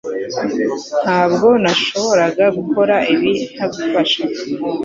Ntabwo nashoboraga gukora ibi ntagufasha